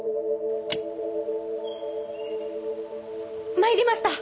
参りました！